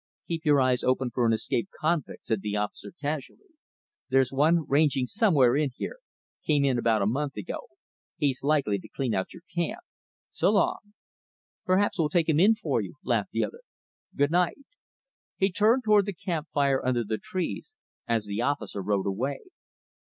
"Keep your eyes open for an escaped convict," said the officer, casually. "There's one ranging somewhere in here came in about a month ago. He's likely to clean out your camp. So long." "Perhaps we'll take him in for you," laughed the other. "Good night." He turned toward the camp fire under the trees, as the officer rode away.